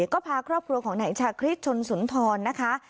ก็พาครอบครัวของนายชาคริสชนสุนทรนะคะ